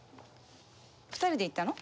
２人で行ったの？